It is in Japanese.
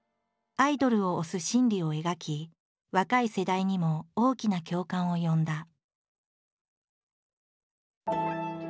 アイドルを推す心理を描き若い世代にも大きな共感を呼んだ。